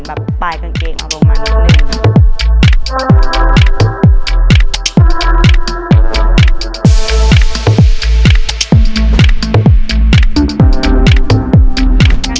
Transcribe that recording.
แบบปลายกางเกงเอาลงมาหนึ่ง